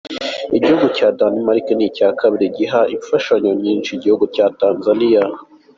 Igihugu ca Danemark ni ica kabiri giha imfashanyo nyinshi igihugu ca Tanzaniya.